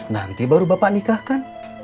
nanti baru bapak nikah kan